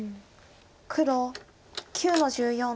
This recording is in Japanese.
黒９の十四。